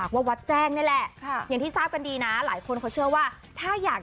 ก็เลยขอไปตีระคังดังเมิง